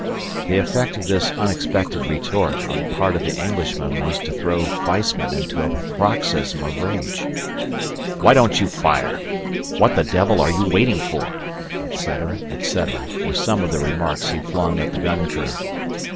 The effect of this unexpected retort on the part of the Englishman was to throw Weissman into a paroxysm of rage. "Why don't you fire? What the devil are you waiting for?" etc., etc., were some of the remarks he flung at the gun crew.